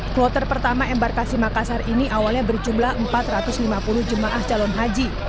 kloter pertama embarkasi makassar ini awalnya berjumlah empat ratus lima puluh jemaah calon haji